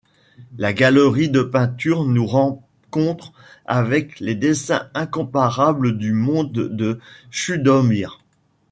La galerie de peinture nous rencontre avec les dessins incomparables du monde de Chudomir.